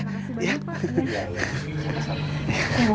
makasih banyak pak